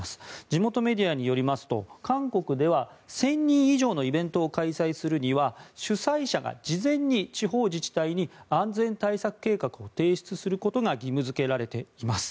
地元メディアによりますと韓国では１０００人以上のイベントを開催するには主催者が事前に地方自治体に安全対策計画を提出することが義務付けられています。